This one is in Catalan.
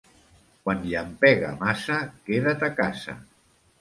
Quan llampega massa queda't a casa.